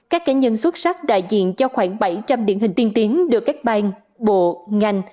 các cá nhân xuất sắc đại diện cho khoảng bảy trăm linh điển hình tiên tiến được các ban bộ ngành